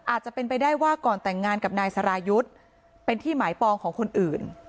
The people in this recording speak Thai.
อาจจะเป็นไปได้ว่าก่อนแต่งงานกับนายสรายุทธ์เป็นที่หมายปองของคนอื่น